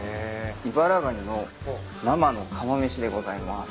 イバラガニの生の釜飯でございます。